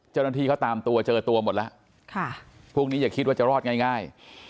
เจ้าหน้าที่เขาตามตัวเจอตัวหมดแล้วพวกนี้อย่าคิดว่าจะรอดง่าย